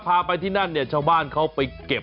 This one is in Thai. พาไปที่นั่นเนี่ยชาวบ้านเขาไปเก็บ